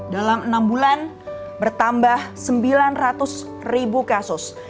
dalam enam bulan bertambah sembilan ratus ribu kasus